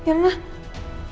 aku baru mau makan siapapun